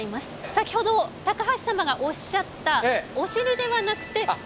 先ほど高橋様がおっしゃったお尻ではなくておなかから。